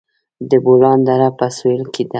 د بولان دره په سویل کې ده